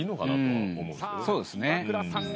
そうですね。